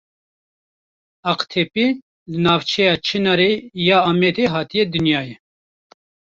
Aqtepî li navçeya Çinarê ya Amedê hatiye dinyayê.